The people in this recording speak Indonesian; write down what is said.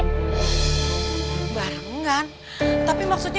anggun mereka pergi saya noi ini gak ada apa ini enak enakan ifahnagani identitas elevat radial